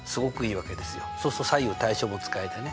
そうすると左右対称も使えてね。